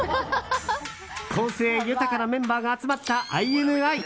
個性豊かなメンバーが集まったＩＮＩ。